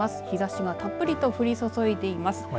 日ざしがたっぷりと降り注いでいます。